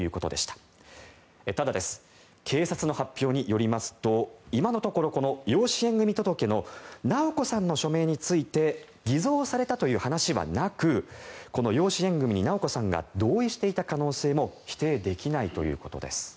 ただ、警察の発表によりますと今のところ、この養子縁組届の直子さんの署名について偽造されたという話はなくこの養子縁組に直子さんが同意していた可能性も否定できないということです。